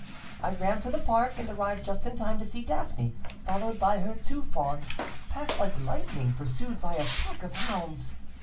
I ran to the park, and arrived just in time to see Daphne, followed by her two fawns, pass like lightning, pursued by a pack of hounds.